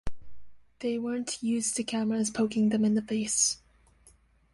They weren't used to cameras poking them in the face.